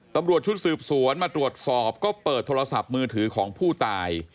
ตำรวจชุดสืบสวนมาตรวจสอบก็เปิดโทรศัพท์มือถือของผู้ตาย